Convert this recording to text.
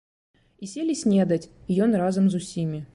І селі снедаць, і ён разам з усімі.